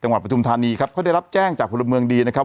จังหวัดประทุมธานีครับเขาได้รับแจ้งจากภูมิเมืองดีนะครับ